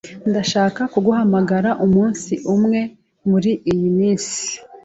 Ndashaka kuguhamagara umunsi umwe muriyi minsi.